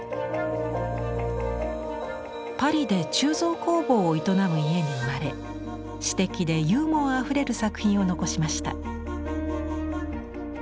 パリで鋳造工房を営む家に生まれ詩的でユーモアあふれる作品を残しました。